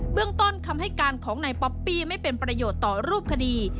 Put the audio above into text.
เรื่องต้นคำให้การของนายป๊อปปี้ไม่เป็นประโยชน์ต่อรูปคดี